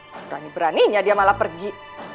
berani beraninya dia malah pergi